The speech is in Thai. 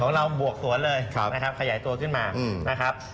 ของเราบวกสวนเลยนะครับขยายตัวขึ้นมานะครับ